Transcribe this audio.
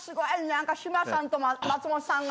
何か志村さんと松本さんがね